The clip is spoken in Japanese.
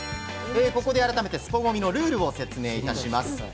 ここで改めてスポＧＯＭＩのルールを説明いたします。